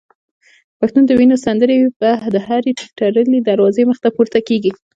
پښتون د وینو سندري به د هري تړلي دروازې مخته پورته کیږي